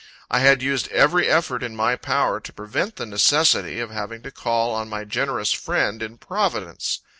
I had used every effort in my power to prevent the necessity of having to call on my generous friend in Providence.